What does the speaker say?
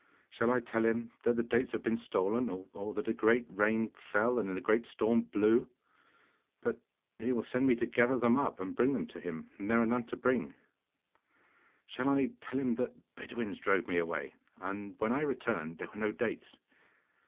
Shall I tell him that the dates have been stolen, or that a great rain fell and a great storm blew? But he will send me to gather them up and bring them to him, and there are none to bring! Shall I tell him that Bedouins drove me away, and when I returned there were no dates?